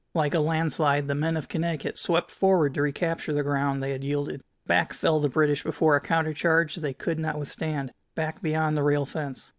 Like a landslide the men of Connecticut swept forward to recapture the ground they had yielded. Back fell the British before a countercharge they could not withstand, back beyond the rail fence.